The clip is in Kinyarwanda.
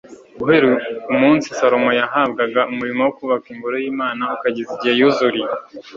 guhera umunsi salomo yahabwaga umurimo wo kubaka ingoro y'imana ukageza igihe yuzuriye